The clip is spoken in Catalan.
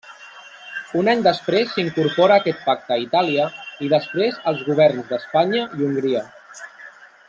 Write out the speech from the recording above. Un any després s'incorpora a aquest pacte Itàlia, i després els governs d'Espanya i Hongria.